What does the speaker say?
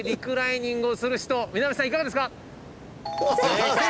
正解！